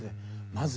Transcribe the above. まず。